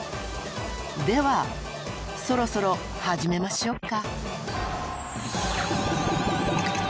ではそろそろ始めましょうか。